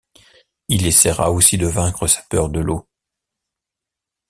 Il essaiera aussi de vaincre sa peur de l'eau.